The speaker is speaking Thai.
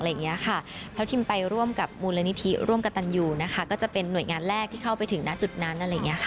แล้วทิมไปร่วมกับมูลนิธิร่วมกับตันยูนะคะก็จะเป็นหน่วยงานแรกที่เข้าไปถึงณจุดนั้นอะไรอย่างนี้ค่ะ